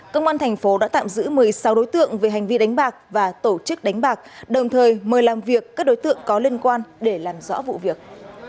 công an thành phố đã tạm giữ một mươi sáu đối tượng về hành vi đánh bạc và tổ chức đánh bạc đồng thời mời làm việc các đối tượng có liên quan để làm rõ vụ việc